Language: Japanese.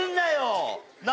なあ！